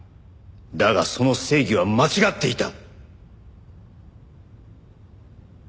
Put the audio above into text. だがその正義は間違っていた。